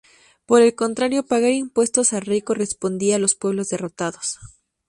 Por el contrario, pagar impuestos al rey correspondía a los pueblos derrotados.